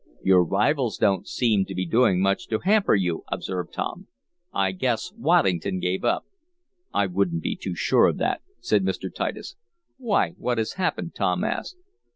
"Your rivals don't seem to be doing much to hamper you," observed Tom. "I guess Waddington gave up. "I won't be too sure of that," said Mr. Titus. "Why, what has happened?" Tom asked.